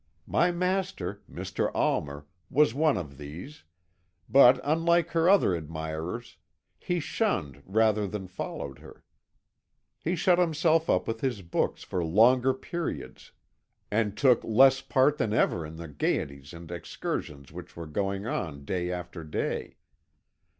My master, Mr. Almer, was one of these, but, unlike her other admirers, he shunned rather than followed her. He shut himself up with his books for longer periods, and took less part than ever in the gaieties and excursions which were going on day after day.